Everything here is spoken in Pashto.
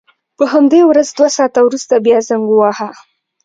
په همدې ورځ دوه ساعته وروسته بیا زنګ وواهه.